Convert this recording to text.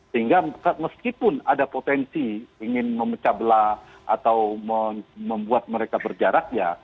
sehingga meskipun ada potensi ingin memecah belah atau membuat mereka berjarak ya